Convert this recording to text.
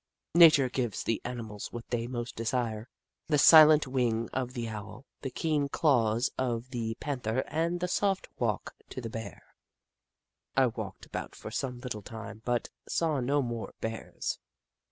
Nature o ives the animals what they most desire — the silent wing to the Owl, the keen claws to the Pan ther, and the soft walk to the Bear. I walked about for some little time, but saw no more Bears.